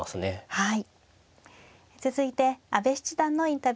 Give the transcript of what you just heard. はい。